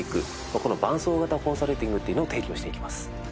この伴走型コンサルティングというのを提供していきます。